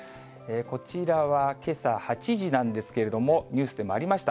こちらはけさ８時なんですけれども、ニュースでもありました、